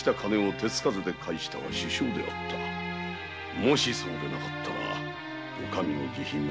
もしそうでなかったら慈悲も。